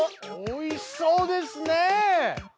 おいしそうですね！